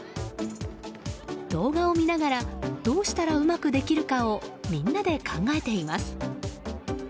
動画を見ながらどうしたらうまくできるかをみんなで考えています。